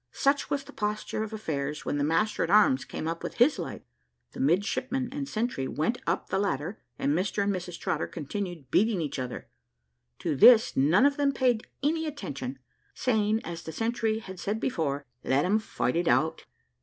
Such was the posture of affairs when the master at arms came up with his light. The midshipman and sentry went up the ladder, and Mr and Mrs Trotter continued beating each other. To this, none of them paid any attention, saying, as the sentry had said before, "Let them fight it out."